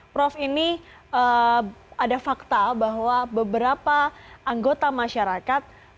prof ini ada fakta bahwa beberapa anggota masyarakat